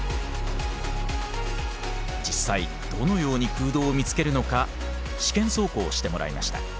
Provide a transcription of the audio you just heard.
実際どのように空洞を見つけるのか試験走行してもらいました。